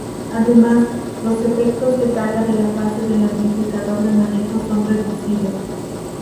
Además, los efectos de carga de la fase del amplificador de manejo son reducidos.